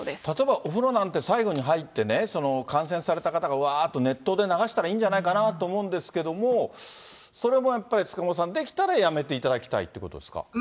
例えば、お風呂なんて、最後に入ってね、感染された方がわーっと熱湯で流したらいいんじゃないかなと思うんですけれども、それもやっぱり塚本さん、できたらやめていただきたいということですか。